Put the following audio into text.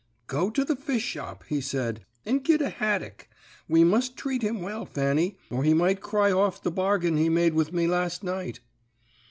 "'Go to the fish shop,' he said, 'and git a haddick. We must treat him well, Fanny, or he might cry off the bargain he made with me last night.'